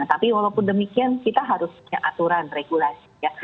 tapi walaupun demikian kita harus punya aturan regulasi ya